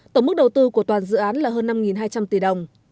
tổng mức đầu tư của toàn dự án là hơn năm hai trăm linh tỷ đồng